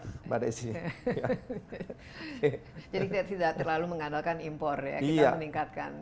jadi kita tidak terlalu mengandalkan impor ya kita meningkatkan